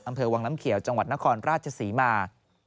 อำเภอวังน้ำเขียวจังหวัดนครราชศรีมา